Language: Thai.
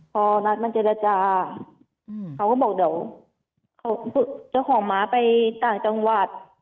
พอนัดมาเจรจาเขาก็บอกเดี๋ยวเจ้าของม้าไปต่างจังหวัด